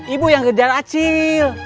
ibu yang kejar acil